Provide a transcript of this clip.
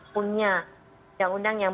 punya undang undang yang